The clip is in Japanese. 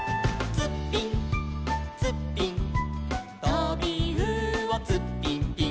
「ツッピンツッピン」「とびうおツッピンピン」